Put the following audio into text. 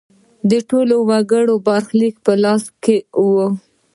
د ټولو وګړو برخلیک په لاس کې و.